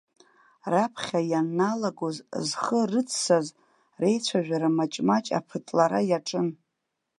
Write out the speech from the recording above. Раԥхьа ианналагоз зхы рыццаз реицәажәара маҷ-маҷ аԥытлара иаҿын.